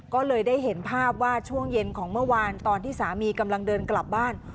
ก็เลยได้เห็นภาพว่าช่วงเย็นของเมื่อวานตอนที่สามีกำลังเดินกลับบ้าน